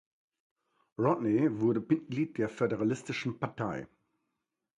Rodney wurde Mitglied der Föderalistischen Partei.